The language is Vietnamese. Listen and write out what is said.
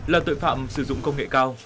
là tội phạm sử dụng công nghệ cao